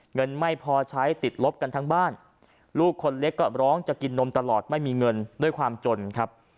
เงินไม่พอใช้ติดลบกันทั้งบ้านลูกคนเล็กก็ร้องจะกินนมตลอดไม่มีเงินด้วยความจนครับ